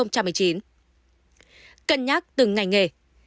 cân nhắc từng ngành nghề